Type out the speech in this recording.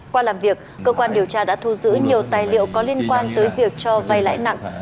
qua làm việc cơ quan điều tra đã thu giữ nhiều tài liệu có liên quan tới việc cho vay lãi nặng